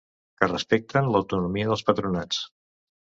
Que respecten l’autonomia dels patronats.